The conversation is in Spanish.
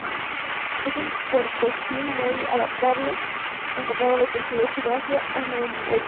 Es un puercoespín muy adaptable, encontrado desde el sudeste de Asia al Medio Oriente.